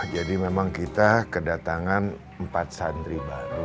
jadi memang kita kedatangan empat santri baru